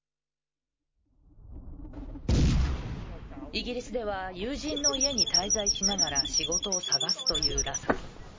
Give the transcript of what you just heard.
イギリスでは友人の家に滞在しながら仕事を探すという羅さん。